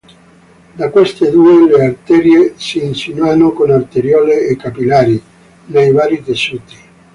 Da queste due, le arterie s'insinuano, con arteriole e capillari, nei vari tessuti.